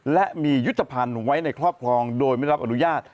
และมียุทธภัณฑ์ไว้ในครอบครองโดยไม่รับอนุญาต